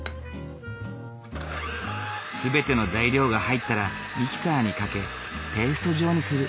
全ての材料が入ったらミキサーにかけペースト状にする。